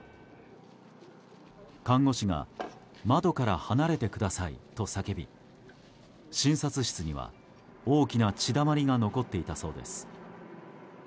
看護師が窓から離れてくださいと叫び診療室には大きな血だまりが残っていたそうです。